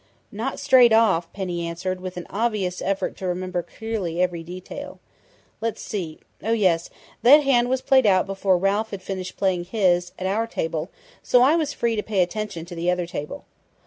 "Not straight off," Penny answered, with an obvious effort to remember clearly every detail. "Let's see Oh, yes! That hand was played out before Ralph had finished playing his, at our table, so I was free to pay attention to the other table.